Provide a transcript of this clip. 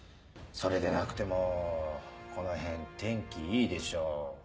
それでなくてもこの辺天気いいでしょう。